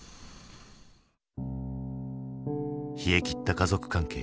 冷え切った家族関係。